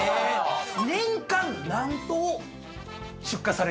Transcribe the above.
年間何頭出荷されるか。